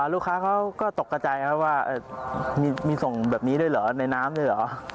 ลูกค้าเขาก็ตกกระใจครับว่ามีส่งแบบนี้ด้วยเหรอในน้ำด้วยเหรอ